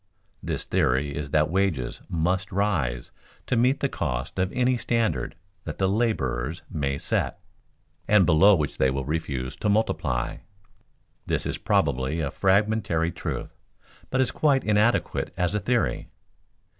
This theory is that wages must rise to meet the cost of any standard that the laborers may set, and below which they will refuse to multiply. This is probably a fragmentary truth, but is quite inadequate as a theory.